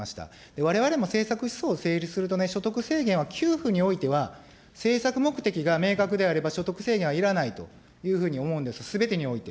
われわれも政策整理するとね、所得制限は給付においては、政策目的が明確であれば、所得制限はいらないというふうに思うんです、すべてにおいて。